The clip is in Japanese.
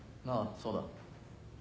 そうだ。